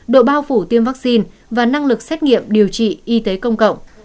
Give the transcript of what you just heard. độ bao phủ tiêm vaccine và năng lực xét nghiệm điều trị y tế công cộng